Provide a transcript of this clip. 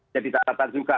jadi tak tata juga